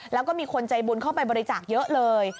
แล้วก็มีคนใจบุญเข้าไปบริจาคเยอะเลย